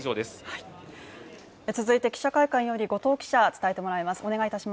続いて記者会館より後藤記者伝えてもらいます。